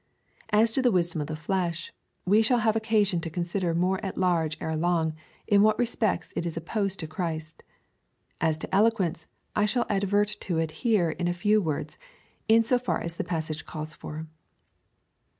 As to the wisdom of the flesh, we shall have occasion to consider more at large ere long, in what respects it is opposed to Christ. As to eloquence, I shall advert to it here in a few words, in so far as the passage calls for.